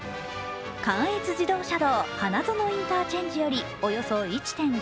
関越自動車道花園インターチェンジよりおよそ１．５ｋｍ。